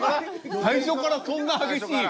最初からそんな激しい？